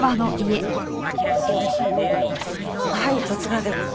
はい十津川で。